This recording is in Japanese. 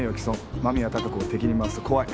間宮貴子を敵に回すと怖い。